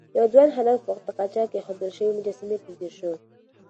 يو ځوان هلک په تاقچه کې ايښودل شوې مجسمې ته ځير شو.